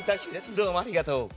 どうもありがとう。